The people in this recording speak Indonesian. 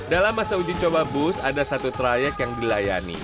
dalam masa uji coba bus ada satu trayek yang dilayani